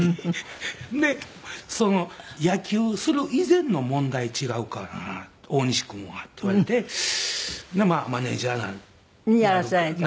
で「野球する以前の問題違うかな大西君は」って言われてマネジャー。にならされた。